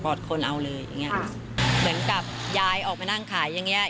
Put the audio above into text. คนเอาเลยอย่างเงี้ค่ะเหมือนกับยายออกไปนั่งขายอย่างเงี้